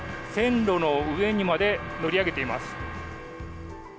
線路の上にまで乗り上げています。